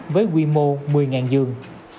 với quy mô một mươi giường